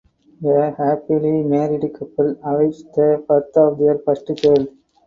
A happily married couple awaits the birth of their first child.